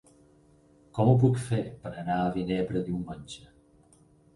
Com ho puc fer per anar a Vinebre diumenge?